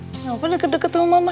kenapa deket deket sama mama